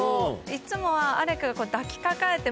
いつもは。